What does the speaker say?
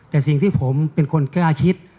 แต่สิ่งที่ผมเป็นคนกล้าคิด